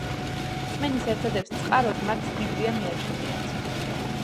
რწმენის ერთადერთ წყაროდ მათ ბიბლია მიაჩნიათ.